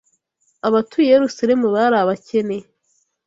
abatuye i Yerusalemu bari abakene